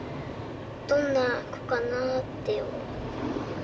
どんな子かなって思う。